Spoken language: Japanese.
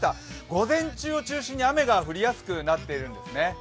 午前中を中心に雨が降りやすくなってるんですね。